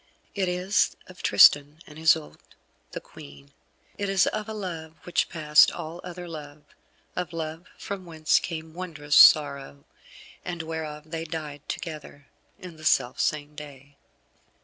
It is of Tristan and Isoude, the Queen. It is of a love which passed all other love, of love from whence came wondrous sorrow, and whereof they died together in the self same day.